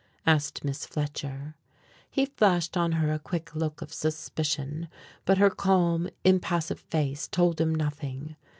asked Miss Fletcher. He flashed on her a quick look of suspicion, but her calm, impassive face told him nothing.